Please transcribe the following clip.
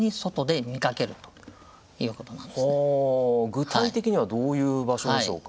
具体的にはどういう場所でしょうか？